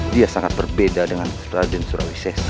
dia sangat berbeda dengan raden surawi sesa